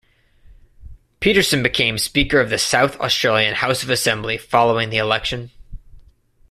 Peterson became Speaker of the South Australian House of Assembly following the election.